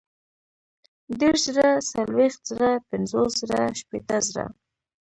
دېرش زره ، څلوېښت زره ، پنځوس زره ، شپېته زره